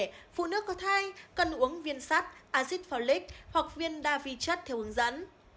phụ nữ có thai cân uống viên sắt acid folic hoặc viên đa vi chất theo hướng dẫn